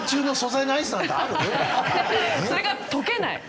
それか溶けない。